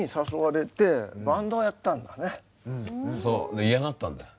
で嫌がったんだよ。